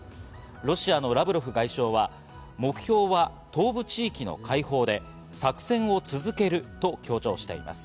ロシアのラブロフ外相は目標は東部地域の解放で作戦を続けると強調しています。